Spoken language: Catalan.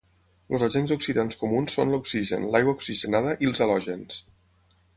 Els agents oxidants comuns són l'oxigen, l'aigua oxigenada i els halògens.